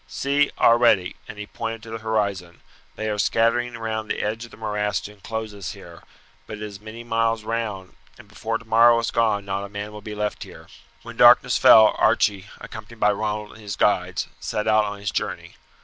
See, already!" and he pointed to the horizon; "they are scattering round the edge of the morass to inclose us here; but it is many miles round, and before tomorrow is gone not a man will be left here." When darkness fell, Archie, accompanied by Ronald and his guides, set out on his journey.